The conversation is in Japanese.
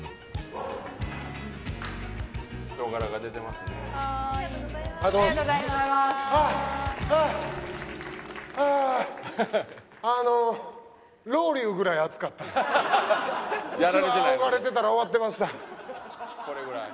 あおがれてたら終わってました。